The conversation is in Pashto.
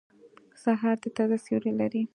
سهار د تازه سیوری لري.